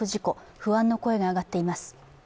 不安の声が上がっています。